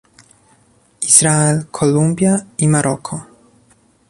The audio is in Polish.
Izrael, Kolumbia, i Maroko